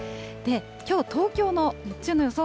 きょう東京の日中の予想